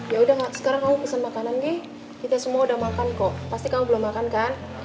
ya udah sekarang kamu pesen makanan deh kita semua udah makan kok pasti kamu belum makan kan